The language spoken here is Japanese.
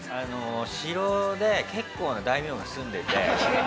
城で結構な大名が住んでて。